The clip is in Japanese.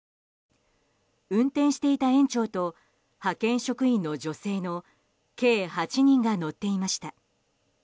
運転していた園長と派遣職員の女性の計８人が乗っていました。